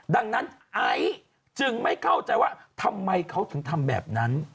ดังนั้นไอซ์จึงไม่เข้าใจว่าทำไมเขาถึงทำแบบนั้น